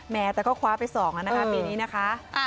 แม่แต่ก็คว้าไป๒นะคะปีนี้นะคะ